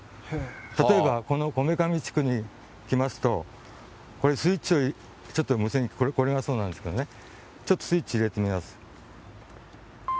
例えばこの米神地区に来ますと、これ、スイッチをちょっと無線機、これがそうなんですけどね、ちょっとスイッチ入れてみます。